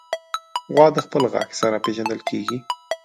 غوا د خپل غږ سره پېژندل کېږي.